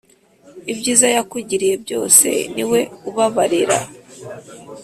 ibyiza yakugiriye byose niwe ubabarira